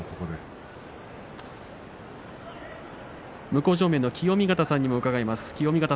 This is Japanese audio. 向正面の清見潟さんにも伺います。